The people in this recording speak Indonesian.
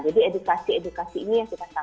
jadi edukasi edukasi ini yang kita sampaikan